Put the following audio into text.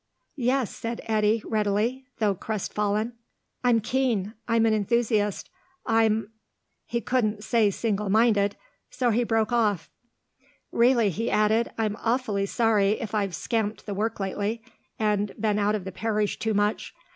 "Yes," said Eddy, readily, though crest fallen. "I'm keen. I'm an enthusiast. I'm " He couldn't say single minded, so he broke off. "Really," he added, "I'm awfully sorry if I've scamped the work lately, and been out of the parish too much.